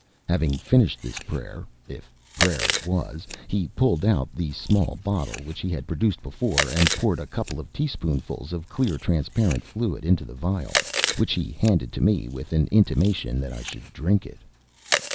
Having finished this prayer, if prayer it was, he pulled out the small bottle which he had produced before, and poured a couple of teaspoonfuls of clear transparent fluid into a phial, which he handed to me with an intimation that I should drink it.